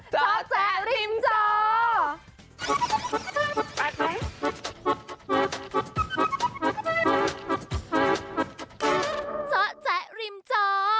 เจ้าแจ๊กริมจอ